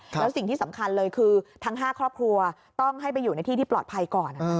แล้วสิ่งที่สำคัญเลยคือทั้ง๕ครอบครัวต้องให้ไปอยู่ในที่ที่ปลอดภัยก่อน